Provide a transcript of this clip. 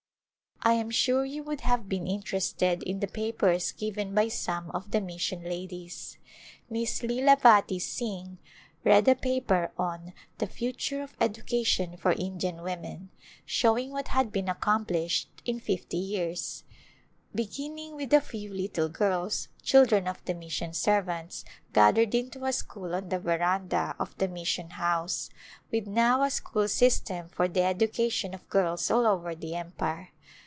I am sure you would have been interested in the papers given by some of the mission ladies. Miss Lilavati Singh read a paper on " The Future of Education for Indian Women," showing what had been accomplished in fifty years, beginning with the [ 351 ] A Glimpse of India ^^w little girls, children of the mission servants, gathered into a school on the veranda of the mission house, with now a school system for the education of girls all over the Empire.